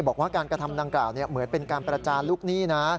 บอกว่าการกระทำดังกล่าวเหมือนเป็นการประจานลูกหนี้นะ